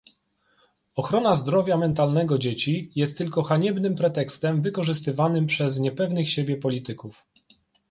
Ochrona zdrowia mentalnego dzieci jest tylko haniebnym pretekstem wykorzystywanym przez niepewnych siebie polityków